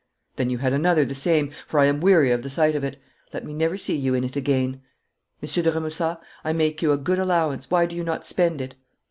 'Then you had another the same, for I am weary of the sight of it. Let me never see you in it again. Monsieur de Remusat, I make you a good allowance. Why do you not spend it?'